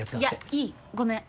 いやいいごめん。